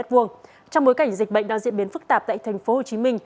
trong bối cảnh dịch bệnh đang diễn biến phức tạp tại tp hcm